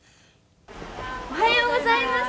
「おはようございます！